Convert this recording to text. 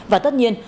và tất nhiên